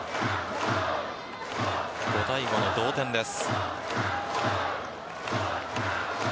５対５の同点です。